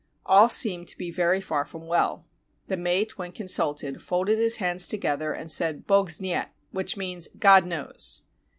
All seemed to be very far from well. The mate, when consulted, folded his hands together and said. Bog Znaet, which means, "God knows."